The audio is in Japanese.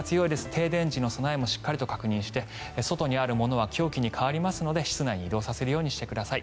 停電時の備えもしっかり確認して外にあるものは凶器に変わりますので室内に移動させるようにしてください。